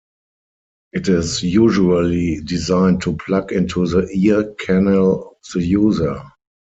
It is usually designed to plug into the ear canal of the user.